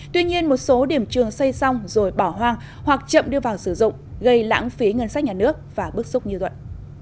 tuy nhiên một số điểm trường xây xong rồi bỏ hoang hoặc chậm đưa vào sử dụng gây lãng phí ngân sách nhà nước và bức xúc như luận